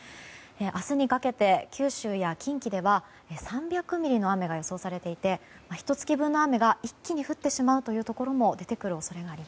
明日にかけて九州や近畿では３００ミリの雨が予想されていてひと月分の雨が一気に降るところもあります。